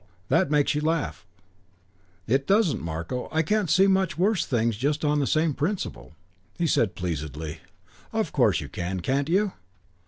That makes you laugh " "It doesn't, Marko. I can see much worse things just on the same principle." He said pleasedly, "Of course you can, can't you?